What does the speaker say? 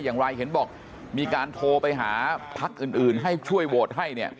อย่างไรเห็นบอกมีการโทรไปหาพักอื่นให้ช่วยโหวตให้เนี่ย